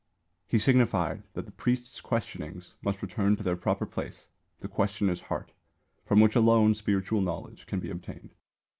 He signified that the priest's questionings must return to their proper place, the questioner's heart, from which alone spiritual knowledge can be obtained.